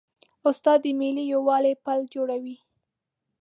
استاد د ملي یووالي پل جوړوي.